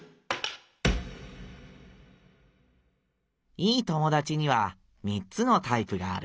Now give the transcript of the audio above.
「いい友だちには三つのタイプがある。